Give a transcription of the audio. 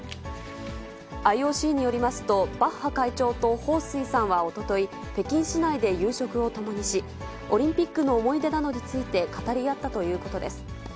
ＩＯＣによりますと、バッハ会長と彭帥さんはおととい、北京市内で夕食を共にし、オリンピックの思い出などについて語り合ったということです。